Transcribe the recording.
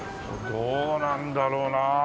どうなんだろうな。